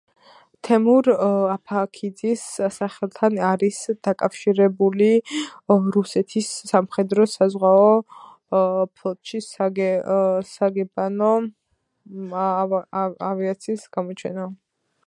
თემურ აფაქიძის სახელთან არის დაკავშირებული რუსეთის სამხედრო-საზღვაო ფლოტში საგემბანო ავიაციის გამოჩენა.